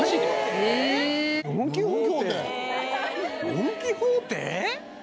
ドン・キホーテ？